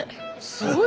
すごい。